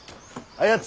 あやつ？